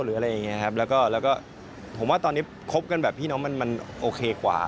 แล้วก็ผมว่าตอนนี้คบกันแบบพี่น้องมันโอเคกว่า